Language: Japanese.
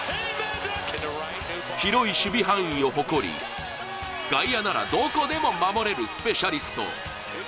広い守備範囲を誇り外野ならどこでも守れるスペシャリスト。